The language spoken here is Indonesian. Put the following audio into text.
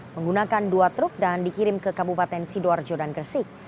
menggunakan dua truk dan dikirim ke kabupaten sidoarjo dan gresik